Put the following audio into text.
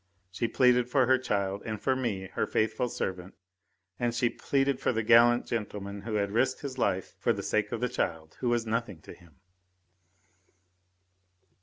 She pleaded for her child and for me, her faithful servant, and she pleaded for the gallant gentleman who had risked his life for the sake of the child, who was nothing to him.